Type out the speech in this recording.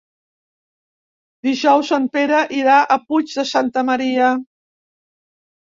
Dijous en Pere irà al Puig de Santa Maria.